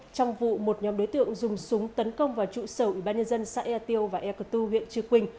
trong vụ một nhóm đối tượng dùng súng tấn công vào trụ sở ủy ban nhân dân hai xã ea tiêu và ea cơ tư huyện trư quynh